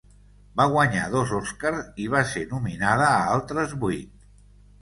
Va guanyar dos Oscar i va ser nominada a altres vuit.